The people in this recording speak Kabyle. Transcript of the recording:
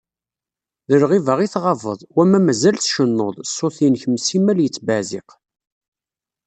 D lɣiba ay tɣabeḍ, wama mazal tcennuḍ, ṣṣut-inek simmal yettbeɛziq.